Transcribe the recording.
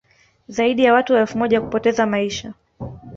zaidi ya watu elfu moja kupoteza maisha